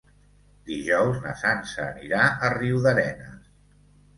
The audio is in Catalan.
Dijous na Sança anirà a Riudarenes.